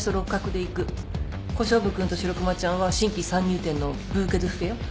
小勝負君と白熊ちゃんは新規参入店のブーケドゥッフェよ。